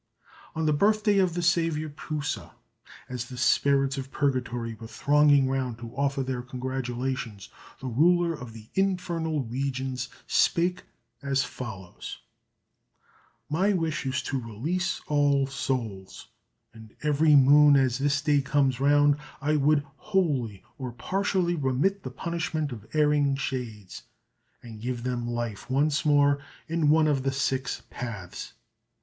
_ On the birthday of the Saviour P'u sa, as the spirits of Purgatory were thronging round to offer their congratulations, the ruler of the Infernal Regions spake as follows: "My wish is to release all souls, and every moon as this day comes round I would wholly or partially remit the punishment of erring shades, and give them life once more in one of the Six Paths.